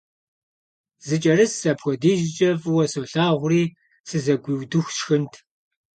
Зэкӏэрыс апхуэдизкӏэ фӏыуэ солъагъури сызэгуиудыху сшхынт.